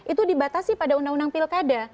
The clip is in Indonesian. itu dibatasi pada undang undang pilkada